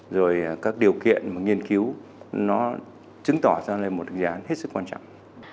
rồi các điều kiện nghiên cứu nó chứng tỏ ra là một đường giá hết sức quan trọng